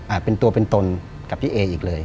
เป็นตัวเป็นตนกับพี่เออีกเลย